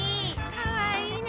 かわいいね。